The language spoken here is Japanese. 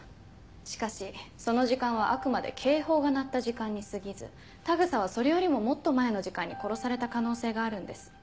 しかしその時間はあくまで警報が鳴った時間に過ぎず田草はそれよりももっと前の時間に殺された可能性があるんです。